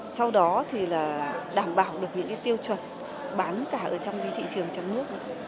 sau đó thì là đảm bảo được những cái tiêu chuẩn bán cả ở trong cái thị trường trong nước nữa